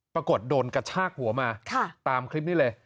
ปรากฏโดนกระชากหัวมาตามคลิปนี้เลย